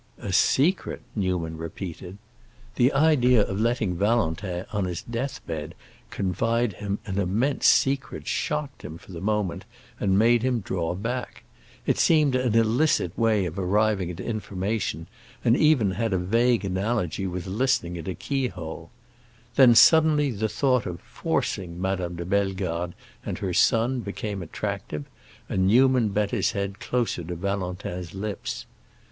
"A secret!" Newman repeated. The idea of letting Valentin, on his death bed, confide him an "immense secret" shocked him, for the moment, and made him draw back. It seemed an illicit way of arriving at information, and even had a vague analogy with listening at a keyhole. Then, suddenly, the thought of "forcing" Madame de Bellegarde and her son became attractive, and Newman bent his head closer to Valentin's lips.